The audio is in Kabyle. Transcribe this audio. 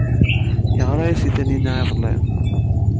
Yeɣra-as i Taninna iḍelli.